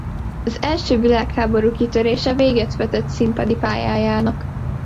Az első világháború kitörése véget vetett színpadi pályájának.